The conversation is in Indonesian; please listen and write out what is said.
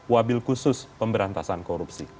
wabil khusus pemberantasan korupsi